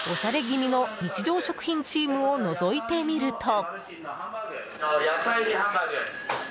気味の日常食品チームをのぞいてみると。